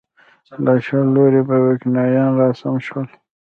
له شل لوري به ویکینګیان راسم شول.